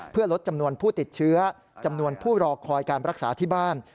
เพื่อลดจำนวนผู้ติดเชื้อจำนวนผู้รอคอยการรักษาที่บ้าน